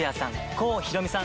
郷ひろみさん